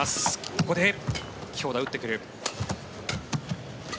ここで強打を打ってくる。